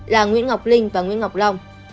là nguyễn ngọc linh và nguyễn ngọc long